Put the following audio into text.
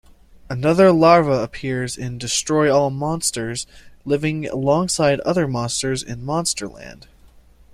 Another larva appears in "Destroy All Monsters", living alongside other monsters in Monsterland.